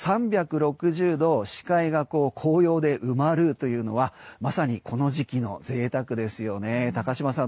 ３６０度視界が紅葉で埋まるというのはまさにこの時期の贅沢ですよね。